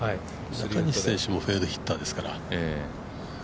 中西選手もフェードヒッターですから。